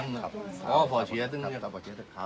น้ำปลาบึกกับซ่าหมกปลาร่า